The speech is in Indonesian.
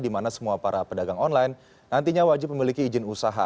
di mana semua para pedagang online nantinya wajib memiliki izin usaha